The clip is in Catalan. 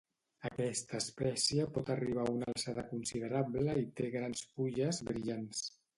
Aquesta espècie pot arribar una alçada considerable i té grans fulles brillants.